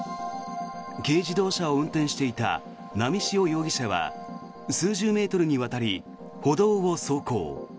軽自動車を運転していた波汐容疑者は数十メートルにわたり歩道を走行。